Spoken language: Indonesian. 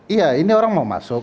iya ini orang mau masuk